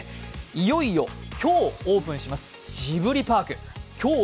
いよいよ今日、オープンします、ジブリパーク。